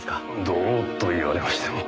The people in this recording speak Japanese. どうと言われましても。